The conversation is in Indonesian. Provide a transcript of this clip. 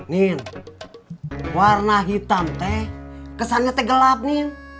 nin warna hitam teh kesannya teh gelap nin